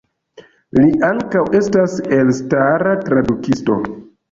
Li ankaŭ estas elstara tradukisto.